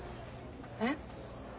えっ？